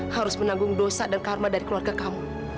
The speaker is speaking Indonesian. harus menanggung dosa dan karma dari keluarga kamu